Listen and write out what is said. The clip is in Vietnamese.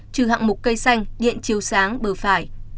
trừ hạng mục cây xanh điện chiều sáng bờ phải